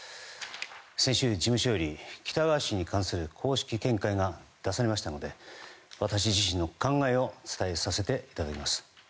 先週、事務所より喜多川氏に関する公式見解が出されましたので私自身の考えを伝えさせていただきます。